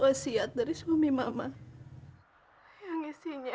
wasiat dari suami mama yang isinya